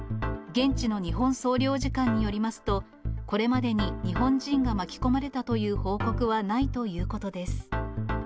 現地の日本総領事館によりますと、これまでに日本人が巻き込まれたという報告はないということです。